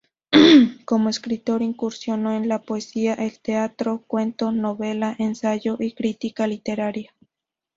Como escritor incursionó en la poesía, el teatro, cuento, novela, ensayo y crítica literaria.